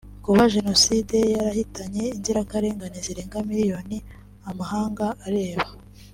Kuba Jenoside yarahitanye inzirakarengane zirenga miliyoni amahanga arebera